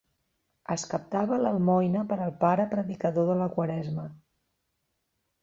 Es captava l’almoina per al pare predicador de la Quaresma.